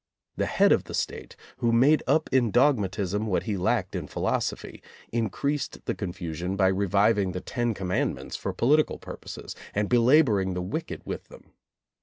The head of the State, who made up in dogmatism what he lacked in philosophy, increased the con fusion by reviving the Ten Commandments for po litical purposes, and belaboring the wicked with them.